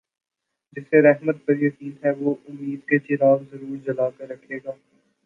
جسے رحمت پر یقین ہے وہ امید کے چراغ ضرور جلا کر رکھے گا